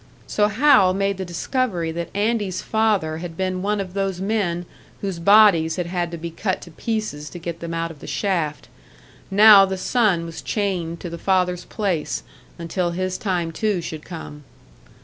So Hal made the discovery that Andy's father had been one of those men whose bodies had had to be cut to pieces to get them out of the shaft. Now the son was chained to the father's place, until his time too should come!